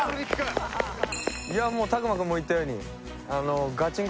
いやもう拓磨君も言ったように。